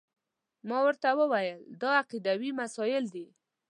ما ورته وویل دا عقیدوي مسایل دي.